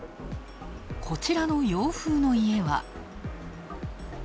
こちらの洋風の家は。